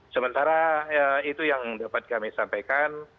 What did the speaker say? sementara itu yang dapat kami sampaikan